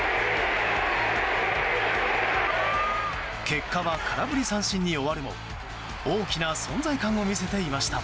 結果は、空振り三振に終わるも大きな存在感を見せていました。